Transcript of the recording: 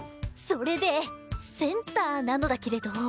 それでセンターなのだけれど。